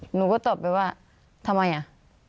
หนูก็ตอบไปว่าทำไมอ่ะ